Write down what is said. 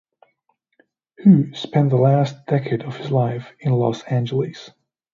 Hu spent the last decade of his life in Los Angeles.